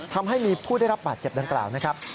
ทำให้มีผู้ได้รับบาดเจ็บดังกล่าวนะครับ